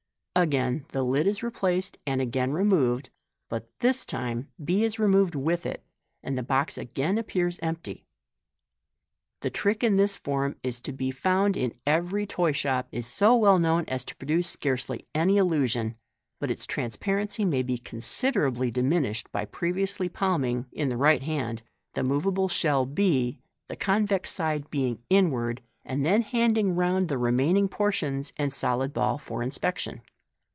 Again the lid is replaced, and again removed ; but this time b is removed with it, and the box again appears empty. The trick in this form is f.o be f>,und in ever) toy shop, and is so well known as to pro dace scarcely any illusion, but its transparency may be considerably diminished by previously palming (in the right hand) the moveable shell b, the convex side being inwards, and then handing round the remaining portions and the solid ball for inspection.